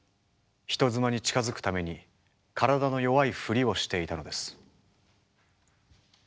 人妻に近づくために体の弱いフリをしていたのです。